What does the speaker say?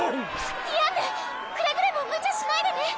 ディアンヌくれぐれもむちゃしないでね！